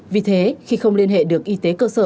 vì thế khi không liên hệ được y tế